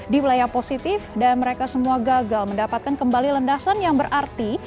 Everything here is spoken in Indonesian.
di wilayah positif dan mereka semua gagal mendapatkan kembali landasan yang berarti